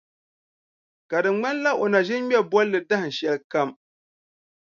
Ka di ŋmanila n na ʒi n-ŋme bolli dahinshɛli kam.